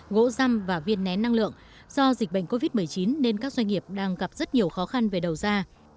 gỗ răm và viên nén năng lượng do dịch bệnh covid một mươi chín nên các doanh nghiệp đang gặp rất nhiều khó khăn về đầu ra